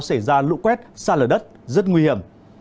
xảy ra lũ quét xa lở đất rất nguy hiểm